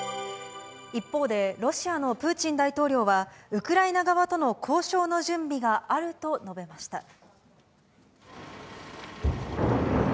一方で、ロシアのプーチン大統領は、ウクライナ側との交渉の準備があると述べました。